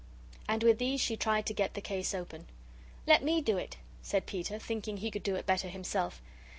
And with these she tried to get the case open. "Let me do it," said Peter, thinking he could do it better himself.